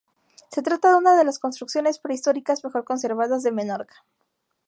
Se trata de una de las construcciones prehistóricas mejor conservadas de Menorca.